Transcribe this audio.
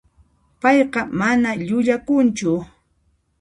Payqa mana llullakunchu.